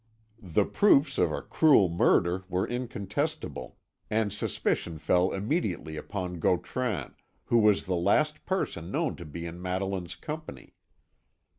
The proofs of a cruel murder were incontestable, and suspicion fell immediately upon Gautran, who was the last person known to be in Madeline's company.